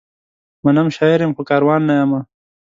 منم، شاعر یم؛ خو کاروان نه یمه